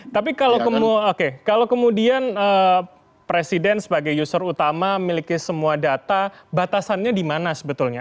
tapi kalau kemudian presiden sebagai user utama miliki semua data batasannya di mana sebetulnya